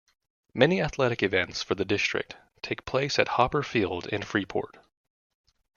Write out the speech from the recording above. Many athletics events for the district take place at Hopper Field in Freeport.